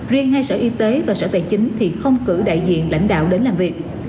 riêng hai sở y tế và sở tài chính thì không cử đại diện lãnh đạo đến làm việc